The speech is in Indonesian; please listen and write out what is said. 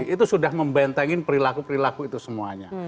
itu sudah membentengin perilaku perilaku itu semuanya